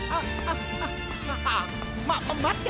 ままって。